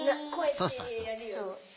そうそうそう。